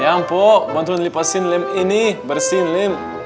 ya ampun bantuan lipasin lem ini bersihin lem